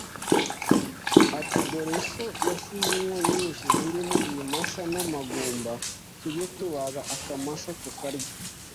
ati: "Dore so yasize inka nyinshi zirimo ibimasa n'amagumba; tujye tubaga akamasa tukarye!